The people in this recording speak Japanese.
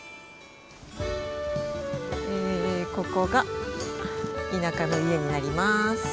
ここが田舎の家になります。